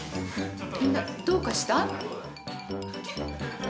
みんなどうかした？